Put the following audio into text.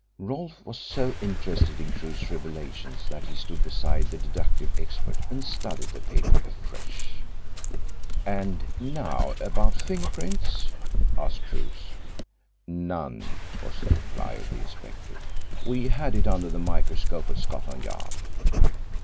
Rolfe was so interested in Crewe's revelations that he stood beside the deductive expert and studied the paper afresh. "And now, about finger prints?" asked Crews. "None," was the reply of the inspector, "We had it under the microscope at Scotland Yard."